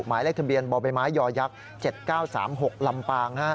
หมายเลขทะเบียนบ่อใบไม้ยอยักษ์๗๙๓๖ลำปาง